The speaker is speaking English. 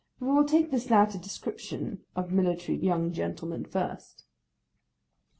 We will take this latter description of military young gentlemen first.